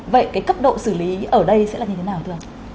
vậy cái cấp độ xử lý ở đây sẽ là như thế nào thưa ông